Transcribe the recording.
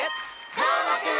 「どーもくん！」